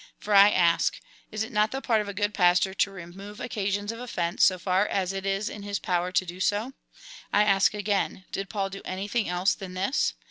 For I ask :" Is it not the part of a good pastor to remove occa sions of offence, so far as it is in his power to do so ?" I ask again, " Did Paul do anything else than this